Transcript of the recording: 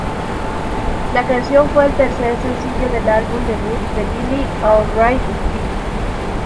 La canción fue el tercer sencillo del álbum debut de Lily, Alright, Still.